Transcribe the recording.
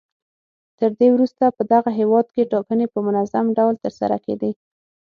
تر دې وروسته په دغه هېواد کې ټاکنې په منظم ډول ترسره کېدې.